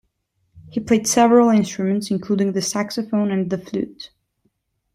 He played several instruments, including the saxophone and the flute.